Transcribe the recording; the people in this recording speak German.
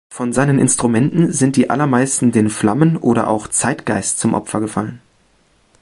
Von seinen Instrumenten sind die allermeisten den Flammen oder auch „Zeitgeist“ zum Opfer gefallen.